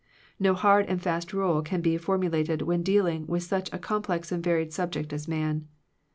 No hard and fast rule can be for mulated when dealing with such a com plex and varied subject as man.